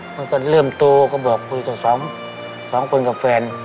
มันก็เริ่มโตก็บอกคุยกับสองคนกับแฟน